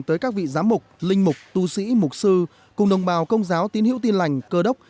tới các vị giám mục linh mục tu sĩ mục sư cùng đồng bào công giáo tín hiểu tin lành cơ đốc